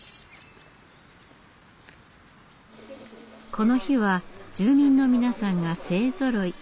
この日は住民の皆さんが勢ぞろい。